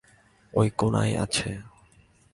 ঐ কোণায় আছে।